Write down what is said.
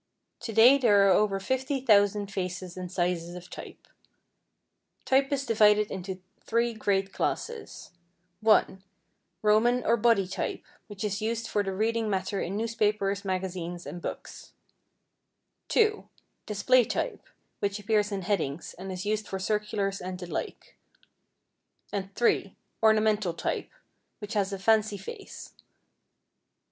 To day there are over 50,000 faces and sizes of type. Type is divided into three great classes: (1) Roman or body type, which is used for the reading matter in newspapers, magazines, and books; (2) display type, which appears in headings, and is used for circulars and the like; and (3) ornamental type, which has a fancy face.